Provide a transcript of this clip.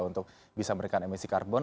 untuk bisa memberikan emisi karbon